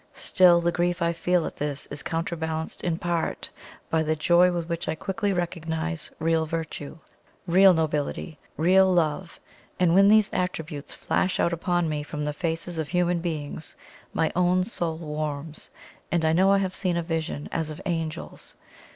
Still, the grief I feel at this is counterbalanced in part by the joy with which I quickly recognize real virtue, real nobility, real love; and when these attributes flash out upon me from the faces of human beings, my own soul warms, and I know I have seen a vision as of angels.